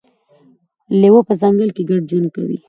لیوه په ځنګل کې ګډ ژوند کوي.